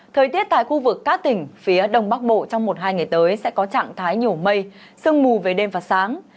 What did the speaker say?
thời tiết tại khu vực các tỉnh phía đông bắc bộ trong một hai ngày tới sẽ có trạng thái nhiều mây sương mù về đêm và sáng